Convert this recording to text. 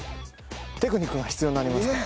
テクニックが必要になりますね。